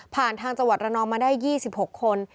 ทางจังหวัดระนองมาได้๒๖คน